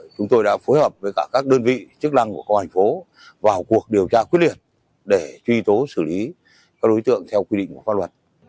chúng tôi đã phối hợp với các đơn vị chức năng của công an thành phố vào cuộc điều tra quyết liệt để truy tố xử lý các đối tượng theo quy định của pháp luật